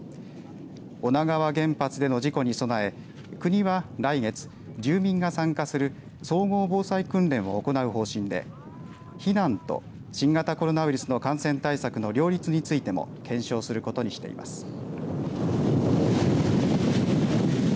女川原発での事故に備え国は、来月住民が参加する総合防災訓練を行う方針で避難と新型コロナウイルスの感染対策の両立についても検証することにしています。